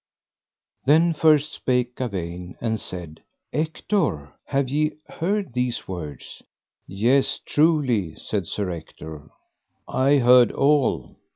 Then first spake Gawaine and said: Ector, have ye heard these words? Yea truly, said Sir Ector, I heard all.